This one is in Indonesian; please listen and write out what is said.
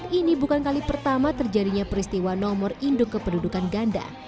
ini bukan kali pertama terjadinya peristiwa nomor induk kependudukan ganda